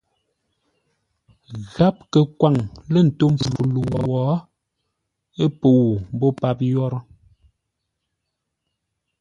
Gháp kə kwaŋ lə̂ ńtó mpfu ləu wo, ə́ pəu mbô páp yórə́.